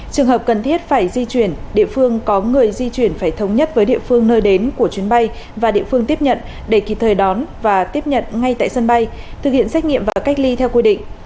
trường hợp cần thiết phải di chuyển địa phương có người di chuyển phải thống nhất với địa phương nơi đến của chuyến bay và địa phương tiếp nhận để kịp thời đón và tiếp nhận ngay tại sân bay thực hiện xét nghiệm và cách ly theo quy định